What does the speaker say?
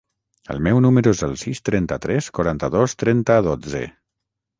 El meu número es el sis, trenta-tres, quaranta-dos, trenta, dotze.